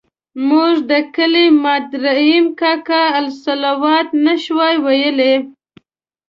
زموږ د کلي ماد رحیم کاکا الصلواة نه شوای ویلای.